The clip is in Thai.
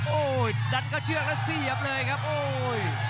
โอ้โหดันเข้าเชือกแล้วเสียบเลยครับโอ้ย